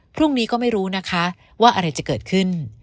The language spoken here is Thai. พรุ่งนี้ก็ไม่รู้นะคะว่าอะไรจะเกิดขึ้น